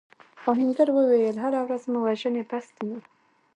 آهنګر وویل هره ورځ مو وژني بس دی نور.